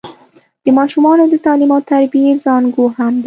د ماشوم د تعليم او تربيې زانګو هم ده.